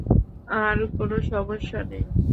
আর কোনো সমস্যা নেই।